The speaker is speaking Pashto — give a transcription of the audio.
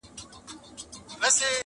دا په ټولو موږكانو كي سردار دئ،